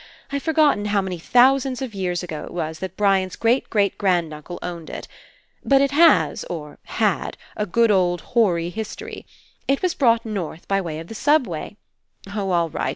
I've forgotten how many thousands of years ago It was that Brian's great great grand uncle owned it. But It has, or had, a good old hoary history. It was brought North by way of the subway. Oh, all right